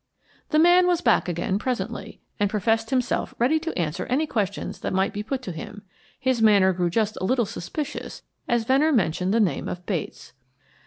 The man was back again presently, and professed himself ready to answer any questions that might be put to him. His manner grew just a little suspicious as Venner mentioned the name of Bates.